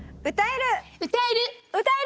歌える！